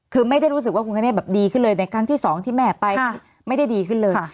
คือไม่ได้รู้สึกว่าคุณคเนธแบบดีขึ้นเลยในครั้งที่สองที่แม่ไปไม่ได้ดีขึ้นเลย